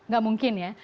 gak mungkin ya